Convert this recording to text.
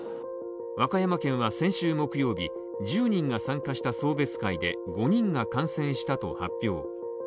和歌山県は先週木曜日１０人が参加した送別会で５人が感染したと発表